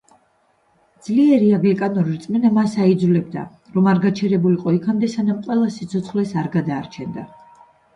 ძლიერი ანგლიკანური რწმენა მას აიძულებდა, რომ არ გაჩერებულიყო იქამდე სანამ ყველას სიცოცხლეს არ გადარჩენდა.